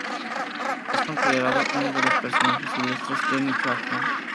Es considerado uno de las personajes ilustres de Michoacán.